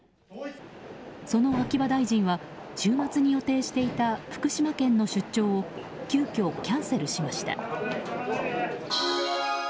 その秋葉大臣は週末に予定していた福島県の出張を急きょキャンセルしました。